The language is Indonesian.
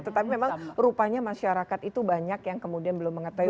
tetapi memang rupanya masyarakat itu banyak yang kemudian belum mengetahui